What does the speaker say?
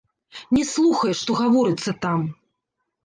Не слухае, што гаворыцца там.